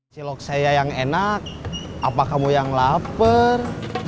cilok saya yang enak apa kamu yang lapar